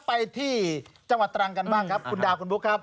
ไปที่จังหวัดตรังกันบ้างครับคุณดาวคุณบุ๊คครับ